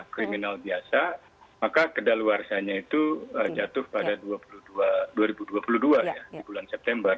kriminal biasa maka kedaluarsanya itu jatuh pada dua ribu dua puluh dua ya di bulan september